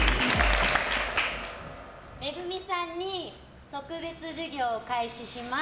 ＭＥＧＵＭＩさんに特別授業を開始します。